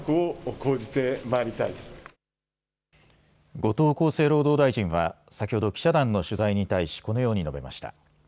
後藤厚生労働大臣は先ほど記者団の取材に対しこのように述べました。